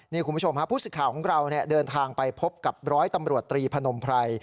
นี่คุณผู้ชมฮะผู้สิทธิ์ข่าวของเราเดินทางไปพบกับร้อยตำรวจตรีพนมไพร